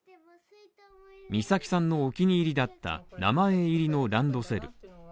美咲さんのお気に入りだった名前入りのランドセル。